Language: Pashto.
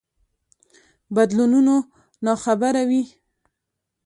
بدلونونو ناخبره وي.